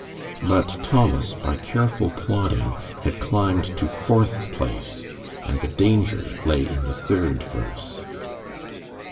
But Thomas, by careful plodding, had climbed to fourth place, and the danger lay in the third verse.